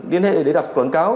liên hệ để đặt quảng cáo